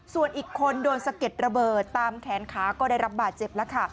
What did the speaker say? ส่วนอีกคนโดนสะเก็ดระเบิดตามแขนขาก็ได้รับบาดเจ็บแล้วค่ะ